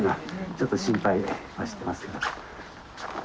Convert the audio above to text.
ちょっと心配はしてますけど。